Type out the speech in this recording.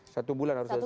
satu bulan harus selesai